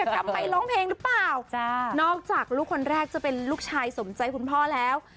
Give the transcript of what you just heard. คุณพ่อเลยอะกำไม่ร้องเพลงหรือเปล่าจ้านอกจากลูกคนแรกจะเป็นลูกชายสนใจคุณพ่อแล้ว